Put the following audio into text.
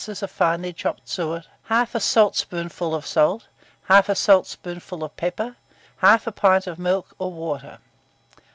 of finely chopped suet, 1/2 saltspoonful of salt, 1/2 saltspoonful of pepper, 1/2 pint of milk or water.